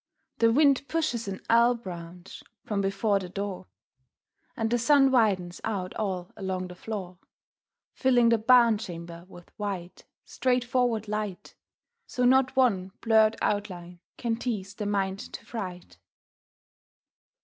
The wind pushes an elm branch from before the door And the sun widens out all along the floor, Filling the barn chamber with white, straightforward light, So not one blurred outline can tease the mind to fright.